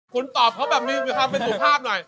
คุณตอบเขาแบบมีความเป็นสุภาพหน่อย